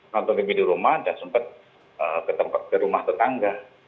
nonton tv di rumah dan sempat ke rumah tetangga